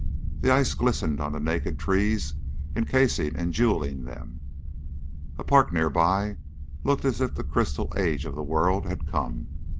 The ice glistened on the naked trees, encasing and jewelling them. A park near by looked as if the crystal age of the world had come.